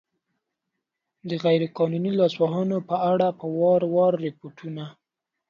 د غیر قانوني لاسوهنو په اړه په وار وار ریپوټون